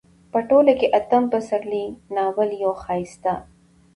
په ټوله کې اتم پسرلی ناول يو ښايسته